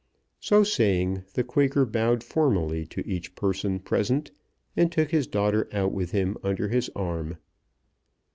So saying, the Quaker bowed formally to each person present, and took his daughter out with him under his arm.